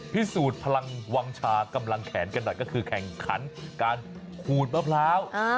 พิสูจน์พลังวังชากำลังแขนกันหน่อยก็คือแข่งขันการขูดมะพร้าว